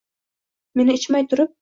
Meni ichmay turib